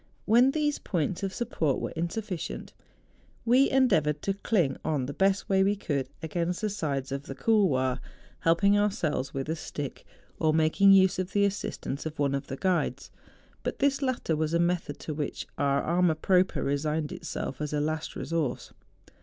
When these points of support were insufficient, we endeavoured to cling on the best way we could against the sides THE JUNGFRAU. 67 of the couloir, helping ourselves with a stick, or making use of the assistance of one of the guides ; but this latter was a method to which our amour propre resigned itself as a last resource.